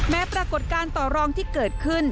ปรากฏการณ์ต่อรองที่เกิดขึ้น